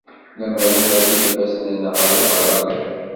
Lemmer i nerfid ifassen-nneɣ ɣer uberrani.